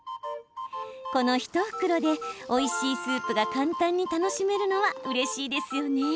この１袋で、おいしいスープが簡単に楽しめるのはうれしいですよね。